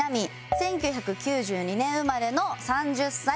１９９２年生まれの３０歳。